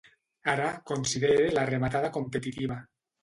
Ara, considere la rematada competitiva.